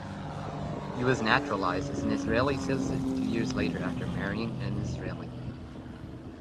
He was naturalized as an Israeli citizen two years later after marrying an Israeli.